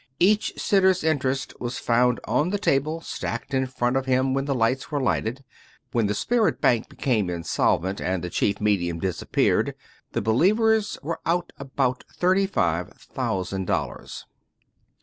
Each sitter's in terest was found on the table stacked in front of him when the lights were lighted. When the spirit bank became in solvent and the chief medium disappeared, the believers were out about thirty five thousand dollars.